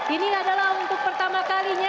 ini adalah untuk pertama kalinya